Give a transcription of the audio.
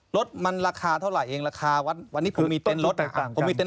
รถมันราคาเท่าไหร่เองราคาวัดวันนี้ผมมีเต้นรถผมมีเต็